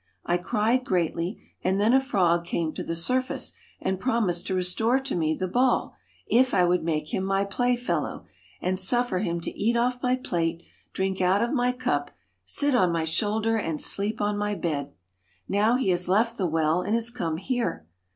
I cried greatly, and then a frog came to the surface, and promised to restore to me the ball if I would make him my playfellow, and suffer him to eat off my plate, drink out of my cup, sit on my shoulder and sleep on my bed. Now he has left the well and is come here.'